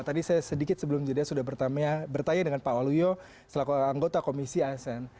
tadi saya sedikit sebelum jeda sudah bertanya dengan pak waluyo selaku anggota komisi asn